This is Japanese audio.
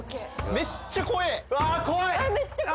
めっちゃ怖い！